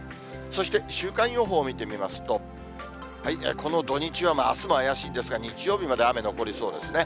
そして週間予報を見てみますと、この土日はあすも怪しいんですが、日曜日まで雨残りそうですね。